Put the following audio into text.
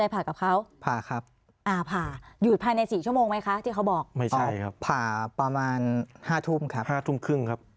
ผ่ากับเขาผ่าครับอ่าผ่าหยุดภายในสี่ชั่วโมงไหมคะที่เขาบอกไม่ใช่ครับผ่าประมาณห้าทุ่มครับห้าทุ่มครึ่งครับ